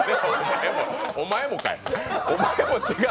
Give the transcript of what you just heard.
お前もかい。